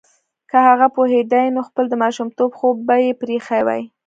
که هغه پوهیدای نو خپل د ماشومتوب خوب به یې پریښی وای